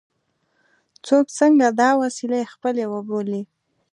څوک څنګه دا وسیلې خپلې وبولي.